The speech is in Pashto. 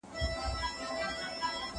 کتابونه وړه!